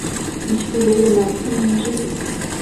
Мечты Левина о семейной жизни.